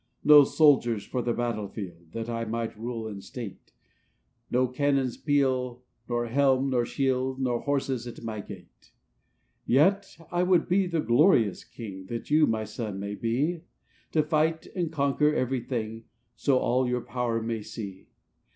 "No soldiers for the battle field, That I might rule in state; No cannon's peal, nor helm, nor shield; No horses at my gate ; "Yet I would be the glorious king, That you, my son, may be; To fight and conquer every thing, So all your power may see.